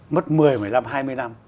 mất một mươi một mươi năm hai mươi năm